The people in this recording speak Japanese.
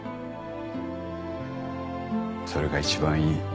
それが一番いい。